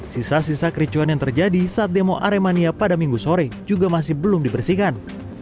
sisa sisa kericuan yang terjadi saat demo aremania pada minggu sore juga masih belum dibersihkan